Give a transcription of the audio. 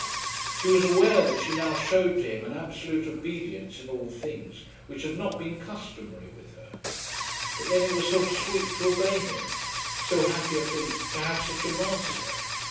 She was aware that she now shewed to him an absolute obedience in all things which had not been customary with her; but then it was so sweet to obey him; so happy a thing to have such a master!